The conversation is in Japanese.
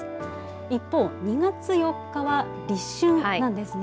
一方、２月４日は立春なんですね。